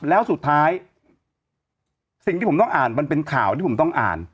แล้วสุดท้ายสิ่งที่ผมต้องอ่านมันเป็นข่าวที่ผมต้องอ่าน